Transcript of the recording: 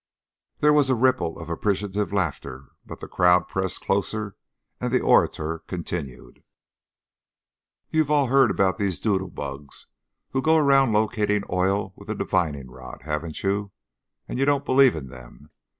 There was a ripple of appreciative laughter, but the crowd pressed closer as the orator continued: "You've all heard about these 'doodlebugs' who go around locating oil with a divining rod, haven't you? And you don't believe in them.